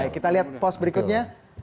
kita lihat pos berikutnya